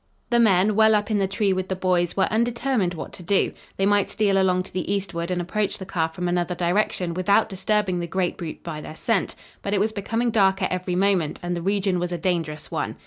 The men, well up in the tree with the boys, were undetermined what to do. They might steal along to the eastward and approach the calf from another direction without disturbing the great brute by their scent. But it was becoming darker every moment and the region was a dangerous one.